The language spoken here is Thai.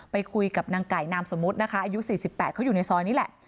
ไปคุยกับนางไก่นามสมมุตินะคะอายุ๔๘เขาอยู่ในซอยนี้แหละ